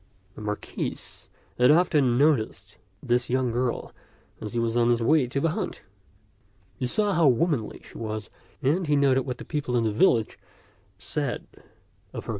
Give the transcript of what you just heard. The Marquis had often noticed this young girl as he was on his way to the hunt. He saw how womanly she was, and he noted what the people in the village said of her goodness.